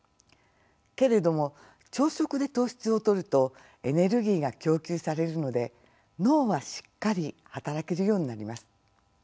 けれども朝食で糖質をとるとエネルギーが供給されるので脳はしっかり働けるようになります。